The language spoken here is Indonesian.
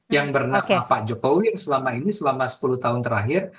yang bernak pak jokowi yang selama ini selama sepuluh tahun terakhir